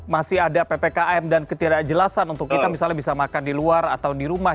masih ada ppkm dan ketidakjelasan untuk kita misalnya bisa makan di luar atau di rumah